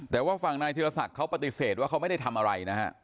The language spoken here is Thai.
แต่ว่าฝั่งนายธิรศักดิ์เขาปฏิเสธว่าเขาไม่ได้ทำอะไรนะฮะ